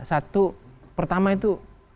satu pertama itu